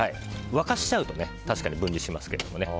沸かしちゃうと確かに分離しますけどね。